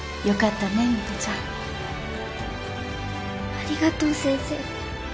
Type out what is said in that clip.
ありがとう先生。